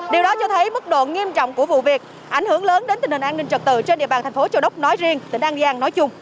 điều đó cho thấy mức độ nghiêm trọng của vụ việc ảnh hưởng lớn đến tình hình an ninh trật tự trên địa bàn thành phố châu đốc nói riêng tỉnh an giang nói chung